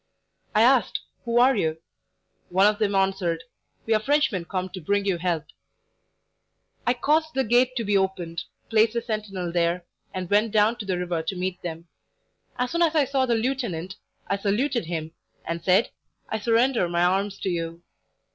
I asked: 'Who are you?' One of them answered: 'We are Frenchmen come to bring you help.'" "I caused the gate to be opened, placed a sentinel there, and went down to the river to meet them. As soon as I saw the lieutenant I saluted him, and said: 'I surrender my arms to you.'